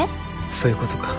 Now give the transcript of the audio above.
そういうことか。